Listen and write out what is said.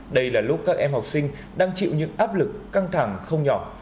đây là lúc các em học sinh đang chịu những áp lực căng thẳng không nhỏ